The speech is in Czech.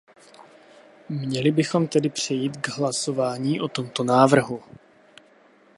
Měli bychom tedy přejít k hlasování o tomto návrhu.